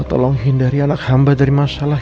tolong hindari anak hamba dari masalah